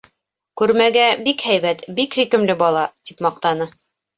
Күрмәгә бик һәйбәт, бик һөйкөмлө бала, — тип маҡтаны.